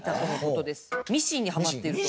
ミシンにハマっていると。